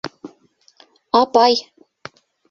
Апай!